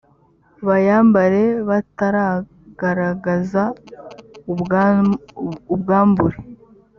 bayambare batagaragaza ubwambure